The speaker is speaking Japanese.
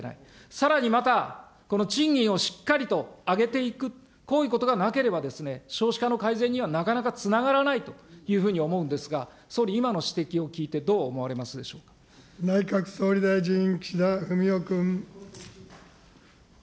さらにまたこの賃金をしっかりと上げていく、こういうことがなければ、少子化の改善にはなかなかつながらないというふうに思うんですが、総理、今の指摘を聞いて、内閣総理大臣、岸田文雄君。